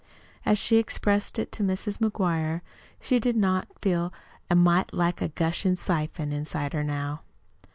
As she expressed it to Mrs. McGuire, she did not feel "a mite like a gushing siphon inside her now."